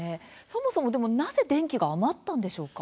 そもそも、なぜ電気が余ったんでしょうか？